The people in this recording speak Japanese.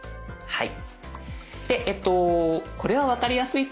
はい。